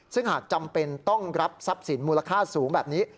ซึ่งหากจำเป็นต้องรับทรัพย์สินมูลค่าสูงแบบนี้